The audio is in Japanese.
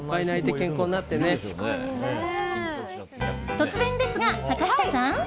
突然ですが、坂下さん。